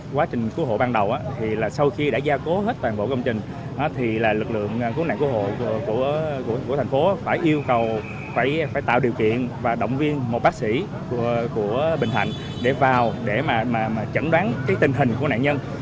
quá trình cứu hộ ban đầu sau khi đã gia cố hết toàn bộ công trình lực lượng cứu nạn cứu hộ tp hcm phải yêu cầu phải tạo điều kiện và động viên một bác sĩ của bình thạnh để vào để chẩn đoán tình hình của nạn nhân